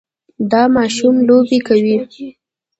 دا ماشوم لوبې کوي.